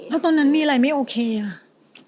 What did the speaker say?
แล้วตอนนั้นมีอะไรไม่โอเคอ่ะ